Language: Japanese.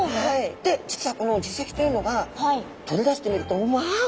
で実はこの耳石というのが取り出してみるとわお！